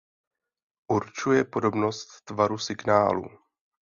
Určuje podobnost tvaru signálů.